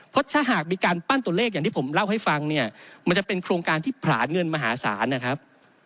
เพราะถ้าหากมีการปั้นตัวเลขอย่างที่ผมเล่าให้ฟังเนี่ยมันจะเป็นโครงการที่ผลานเงินมหาศาลนะครับ